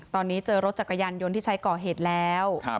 ตอนนี้เจอรถจักรยานยนต์ที่ใช้ก่อเหตุแล้ว